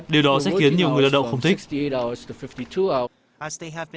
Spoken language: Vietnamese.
điều đó sẽ khiến nhiều người lao động không thích